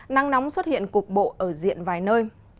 nắng nóng xuất hiện cục bộ ở diện vài nơi